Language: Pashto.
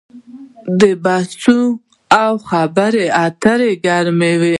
بحثونه او خبرې اترې ګرمې وي.